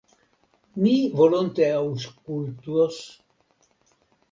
Mi volonte aŭskultos?